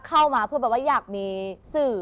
เข้ามาเพื่อแบบว่าอยากมีสื่อ